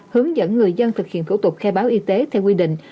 hướng dẫn người dân thực hiện thủ tục khai báo y tế theo quy định